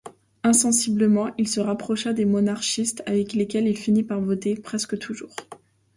Insensiblement il se rapprocha des monarchistes, avec lesquels il finit par voter presque toujours.